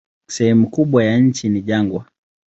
Sehemu kubwa ya nchi ni jangwa.